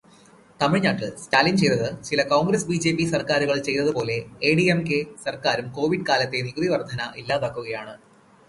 തമിഴ്നാട്ടിൽ സ്റ്റാലിൻ ചെയ്തത് ചില കോൺഗ്രസ്-ബിജെപി സർക്കാരുകൾ ചെയ്തതുപോലെ എഐഡിഎംകെ സർക്കാരും കോവിഡ് കാലത്തെ നികുതിവർദ്ധന ഇല്ലാതാക്കുകയാണ്.